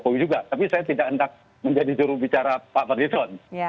pak jokowi juga tapi saya tidak hendak menjadi jurubicara pak fadlizon